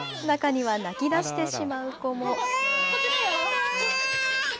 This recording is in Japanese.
中には泣きだしてしまう子も。